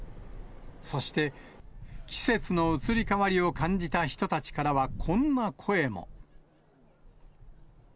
そして、季節の移り変わりを感じた人たちからはこんな声も。